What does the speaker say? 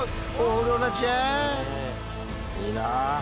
いいな。